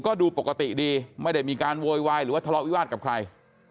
ก็ดูปกติดีไม่ได้มีการโวยวายหรือว่าทะเลาะวิวาสกับใคร